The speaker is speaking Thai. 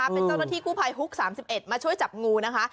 เป็นเจ้าหน้าที่กู้ภัยฮุก๓๑มาช่วยจับงูนะคะ